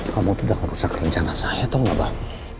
kamu tuh udah kerusak rencana saya tahu gak bang